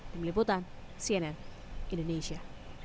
di meliputan cnn indonesia